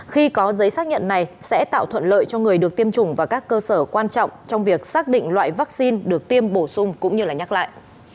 khi có giấy xác nhận này sẽ tạo thuận lợi cho người được tiêm chủng và các cơ sở quan trọng trong việc xác định loại vaccine được tiêm bổ sung cũng như nhắc lại